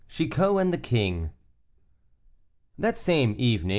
CHICOT AND THE KING. That same evening M.